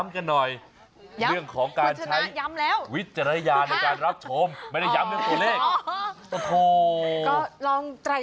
แต่ใครไม่ได้ยินก็ไม่ได้ยินนะ